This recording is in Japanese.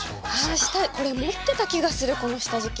これ持ってた気がするこの下敷き。